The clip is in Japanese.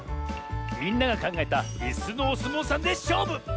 みんながかんがえたいすのおすもうさんでしょうぶ！